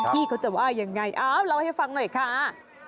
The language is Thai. พี่เขาจะว่ายังไงอ้าวเล่าให้ฟังหน่อยค่ะ